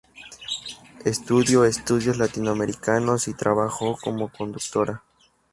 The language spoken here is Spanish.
Estudió estudios latinoamericanos y trabajó como traductora.